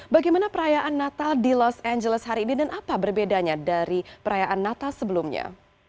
bagaimana perayaan natal di los angeles hari ini dan apa berbedanya dari perayaan natal sebelumnya